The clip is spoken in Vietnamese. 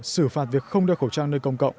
xử phạt việc không đeo khẩu trang nơi công cộng